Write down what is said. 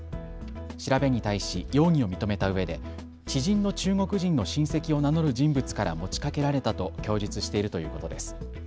調べに対し容疑を認めたうえで知人の中国人の親戚を名乗る人物から持ちかけられたと供述しているということです。